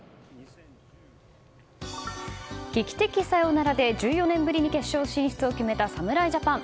劇的サヨナラで１４年ぶりに決勝進出を決めた侍ジャパン。